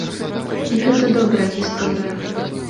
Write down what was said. І гэта добрая гісторыя.